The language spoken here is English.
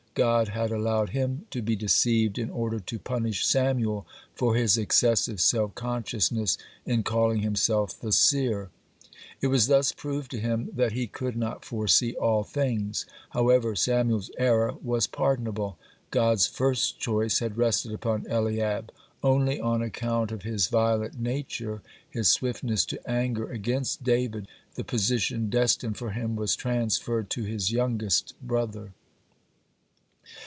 God had allowed him to be deceived, in order to punish Samuel for his excessive self consciousness in calling himself the seer. It was thus proved to him that he could not foresee all things. (19) However, Samuel's error was pardonable. God's first choice had rested upon Eliab. Only on account of his violent nature, his swiftness to anger against David, the position destined for him was transferred to his youngest brother.